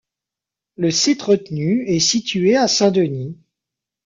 Le site retenu est situé à Saint-Denis.